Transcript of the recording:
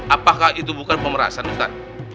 apakah itu bukan pemerasan bukan